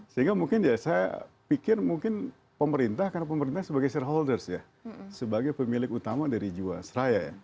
sehingga mungkin saya pikir pemerintah sebagai pemilik utama dari jiwasraya